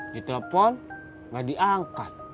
ditelepon nggak diangkat